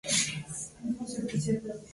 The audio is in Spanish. Aquí encontraron el mar.